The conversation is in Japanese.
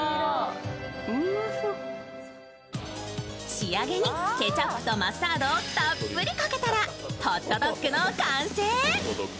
仕上げにケチャップとマスタードをたっぷりかけたらホットドッグの完成。